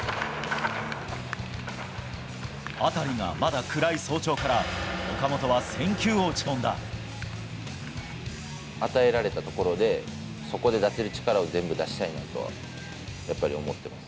辺りがまだ暗い早朝から、与えられたところで、そこで出せる力を全部出したいなとは、やっぱり思っています。